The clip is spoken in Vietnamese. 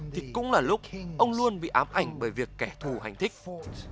thì cũng là lúc ông luôn bị ám ảnh bởi việc kẻ thù hành thích